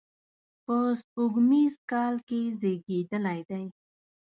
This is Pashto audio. په سپوږمیز کال کې زیږېدلی دی.